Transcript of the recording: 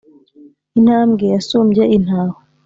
intambwe yasumbye intaho